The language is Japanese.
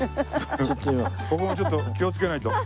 ここもちょっと気をつけないと。